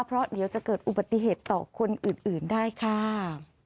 เพราะเดี๋ยวจะเกิดอุบัติเหตุต่อคนอื่นได้ค่ะ